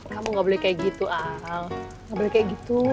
kamu gak boleh kayak gitu al gak boleh kayak gitu